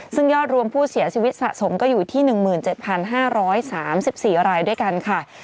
ซึ่งยอดรวมผู้เสียชีวิตสะสมก็อยู่ที่๑๗๕๓๔รายด้วยกันค่ะ